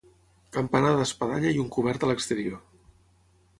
Campanar d'espadanya i un cobert a l'exterior.